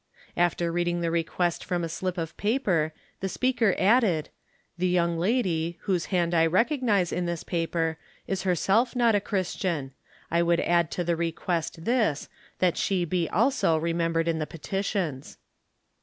After reading the request from a slip of paper, the speaker added :" The young lady, whose hand I recognize in this paper, is herseK not a Christian. I would add to the request this, that she be also remembered in the petitions."